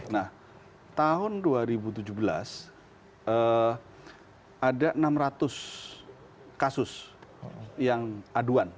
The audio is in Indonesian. nah tahun dua ribu tujuh belas ada enam ratus kasus yang aduan